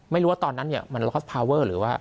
ไม่รู้ว่าตอนนั้นมันล้อสพอเวอร์